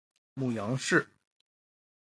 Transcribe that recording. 母杨氏。